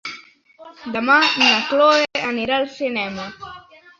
Demà na Cloè anirà al cinema.